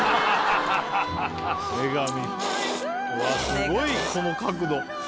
すごいこの角度。